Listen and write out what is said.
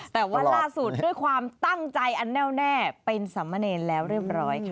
แต่ว่าล่าสุดด้วยความตั้งใจอันแน่วแน่เป็นสามเณรแล้วเรียบร้อยค่ะ